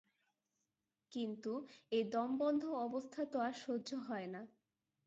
কিন্তু এই দমবন্ধ অবস্থা তো আর সহ্য হয় না।